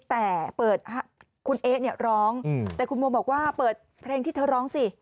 แต่เปิดคุณเอ๊ะเนี่ยร้องแต่คุณโมบอกว่าเปิดเพลงที่เธอร้องสิ